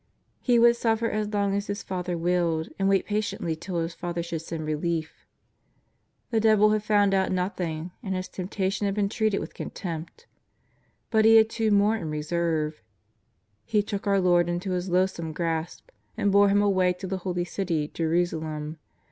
'' He would suffer as long as His Father willed, and wait patiently till His Father should send relief. The devil had found out nothing and his temptation had been treated with contempt. But he had two more in reserve. He took our Lord into his loathsome grasp and bore Him away to the holy city, Jerusalem.